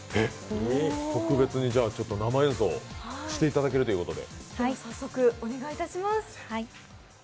特別に生演奏していただけるということで。